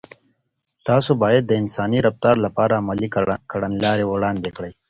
تاسو باید د انساني رفتار لپاره عملي کړنلارې وړاندې کړئ.